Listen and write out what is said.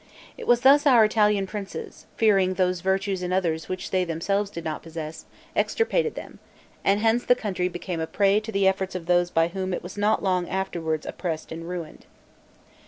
It was thus our Italian princes, fearing those virtues in others which they themselves did not possess, extirpated them; and hence the country became a prey to the efforts of those by whom it was not long afterward oppressed and ruined.